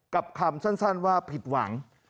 กับคำสั้นว่าผิดหวัง